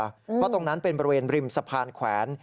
เพราะตรงนั้นเป็นบริเวณริมสะพานแขวน